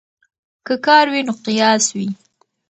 که کار وي نو قیاس وي.